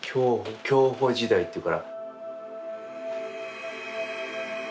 享保時代っていうから。